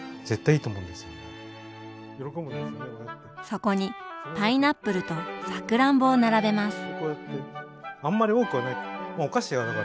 そこにパイナップルとさくらんぼを並べます。